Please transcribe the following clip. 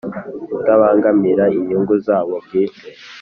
kutabangamira inyungu zabo bwite